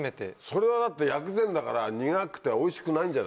それはだって薬膳だから苦くておいしくないんじゃない？